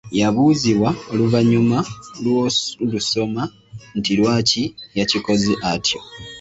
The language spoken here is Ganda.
Yabuuzibwa oluvannyuma lw’olusoma nti lwaki yakikoze atyo.